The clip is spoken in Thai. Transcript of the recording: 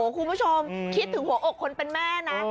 คุณผู้ชมคิดถึงหัวอกคนเป็นแม่นะ